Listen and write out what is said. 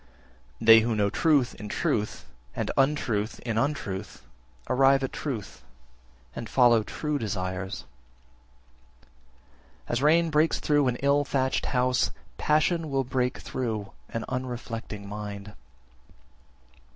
12. They who know truth in truth, and untruth in untruth, arrive at truth, and follow true desires. 13. As rain breaks through an ill thatched house, passion will break through an unreflecting mind.